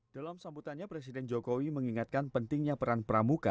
dalam sambutannya presiden jokowi mengingatkan pentingnya peran pramuka